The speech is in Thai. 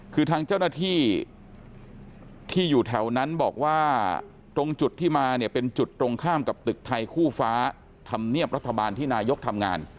คือทางเจ้าหน้าที่ที่อยู่แถวนั้นบอกว่าตรงจุดที่มาเนี่ยเป็นจุดตรงข้ามกับตึกไทยคู่ฟ้าธรรมเนียบรัฐบาลที่นายกทำงาน